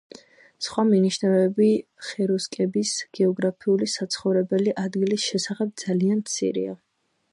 სხვა მინიშნებები ხერუსკების გეოგრაფიული საცხოვრებელი ადგილის შესახებ ძალიან მცირეა.